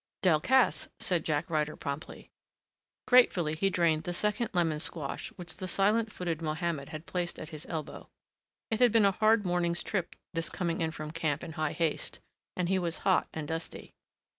"Delcassé," said Jack Ryder promptly. Gratefully he drained the second lemon squash which the silent footed Mohammed had placed at his elbow. It had been a hard morning's trip, this coming in from camp in high haste, and he was hot and dusty.